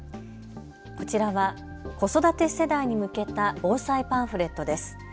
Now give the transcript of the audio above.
こちらは子育て世代に向けた防災パンフレットです。